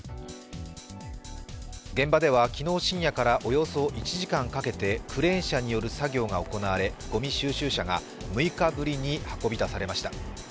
現場では昨日深夜からおよそ１時間かけてクレーン車による作業が行われごみ収集車が６日ぶりに運び出されました。